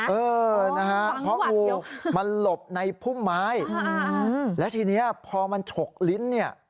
เออนะฮะเพราะงูมันหลบในพุ่มไม้แล้วทีนี้พอมันฉกลิ้นเนี่ย